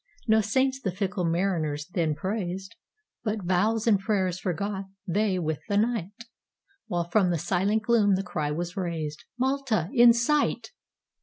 No saints the fickle mariners then praised, But vows and prayers forgot they with the night; While from the silent gloom the cry was raised,—"Malta in sight!"